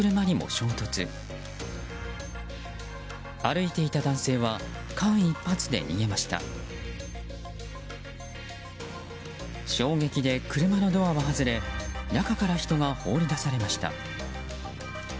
衝撃で車のドアは外れ中から人が放り出されました。